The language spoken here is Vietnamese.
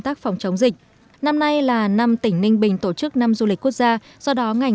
tác phòng chống dịch năm nay là năm tỉnh ninh bình tổ chức năm du lịch quốc gia do đó ngành